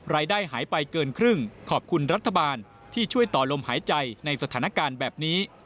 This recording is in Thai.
รายได้หายไปเกินครึ่งขอบคุณรัฐบาลที่ช่วยต่อลมหายใจในสถานการณ์แบบนี้